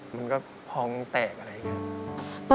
มันก็พองแตกอะไรอย่างนี้